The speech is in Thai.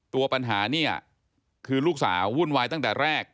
ตัวปัญหาเนี่ยคือลูกสาววุ่นวายตั้งแต่แรก